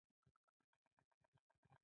سپین صبح خپور شو.